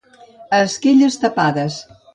A esquelles tapades.